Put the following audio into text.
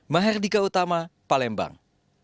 maherdika utama palembang